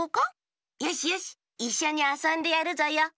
よしよしいっしょにあそんでやるぞよ。